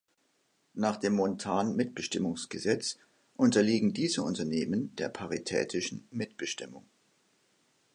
Nach dem Montan-Mitbestimmungsgesetz unterliegen diese Unternehmen der paritätischen Mitbestimmung.